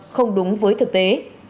không đúng với thực tế